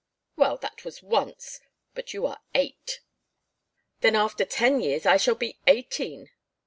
"Well, that was once. But you are eight." "Then after ten years I shall be eighteen."